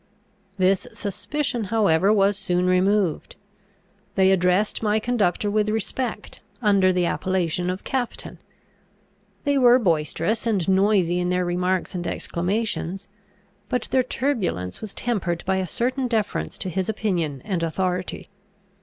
This suspicion however was soon removed. They addressed my conductor with respect, under the appellation of captain. They were boisterous and noisy in their remarks and exclamations, but their turbulence was tempered by a certain deference to his opinion and authority.